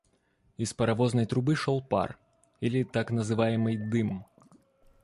Из паровозной трубы шёл пар или, так называемый, дым.